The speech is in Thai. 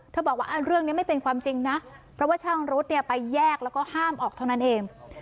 บอกว่าเรื่องนี้ไม่เป็นความจริงนะเพราะว่าช่างรถเนี่ยไปแยกแล้วก็ห้ามออกเท่านั้นเอง